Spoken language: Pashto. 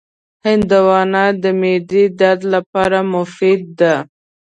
هندوانه د معدې درد لپاره مفیده ده.